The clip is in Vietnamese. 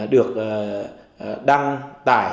được đăng tải